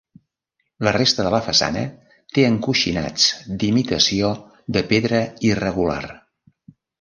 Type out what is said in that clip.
La resta de la façana té encoixinats d'imitació de pedra irregular.